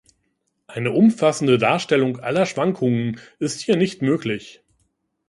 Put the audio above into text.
Eine umfassende Darstellung aller Schwankungen ist hier nicht möglich.